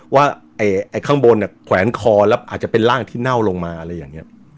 ว่าไอ้ข้างบนเนี่ยแขวนคอแล้วอาจจะเป็นร่างที่เน่าลงมาอะไรอย่างนี้